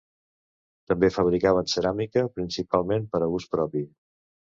També fabricaven ceràmica principalment per a ús propi.